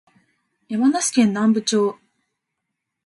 山梨県南部町